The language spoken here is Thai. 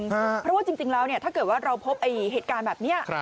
เพราะว่าจริงแล้วถ้าเกิดว่าเราพบเหตุการณ์แบบนี้